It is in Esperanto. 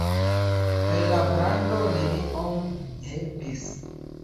Kaj la brando neniom helpis.